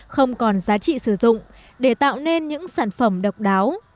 không còn giá trị sử dụng để tạo nên những sản phẩm độc đáo